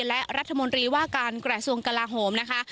และรัฐมนตรีว่าการกระทรวงกลาโหมนะคะ